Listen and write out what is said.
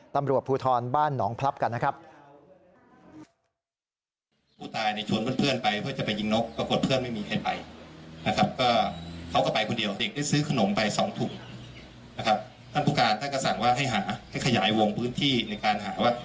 ตำรวจภูทรบ้านหนองพลับกันนะครับ